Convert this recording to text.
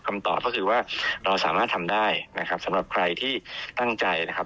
คำตอบก็คือว่าเราสามารถทำได้นะครับสำหรับใครที่ตั้งใจนะครับ